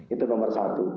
itu nomor satu